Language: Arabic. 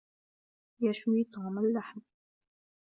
يشوي توم اللحم.